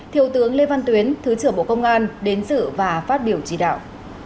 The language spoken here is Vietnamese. thiều tướng lê văn tuyến thứ trưởng bộ công an đến giữ và phát biểu chỉ đạo